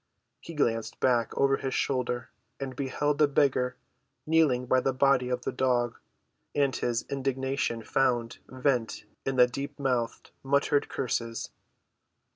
He glanced back over his shoulder and beheld the beggar kneeling by the body of the dog. And his indignation found vent in deep‐ mouthed, muttered curses.